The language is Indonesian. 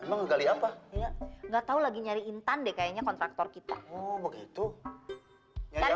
enggak tahu lagi nyariin tande kayaknya kontraktor kita begitu sebagai